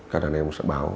các đàn em sẽ báo